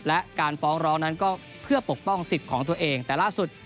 และการฟ้องร้องนั้นก็เพื่อปกป้องสิทธิ์ของตัวเองแต่ล่าสุด